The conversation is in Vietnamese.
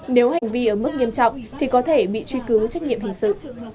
nếu hành vi ở mức nghiêm trọng thì có thể bị truy cứu trách nhiệm hình sự